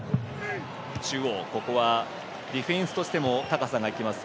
ここはディフェンスとしても高さが生きます